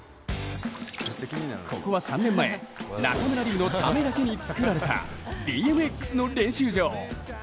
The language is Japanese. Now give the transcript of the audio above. ここは３年前、中村輪夢のためだけに造られたＢＭＸの練習場。